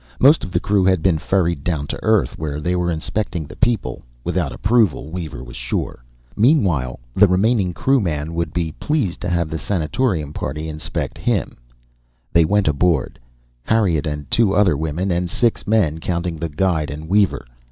Most of the crew had been ferried down to Earth, where they were inspecting the people (without approval, Weaver was sure). Meanwhile, the remaining crewman would be pleased to have the sanatorium party inspect him. They went aboard, Harriet and two other women, and six men counting the guide and Weaver.